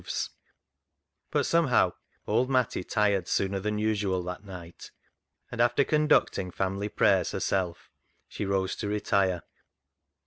92 CLOG SHOP CHRONICLES But somehow old Matty tired sooner than usual that night, and after conducting family prayers herself, she rose to retire.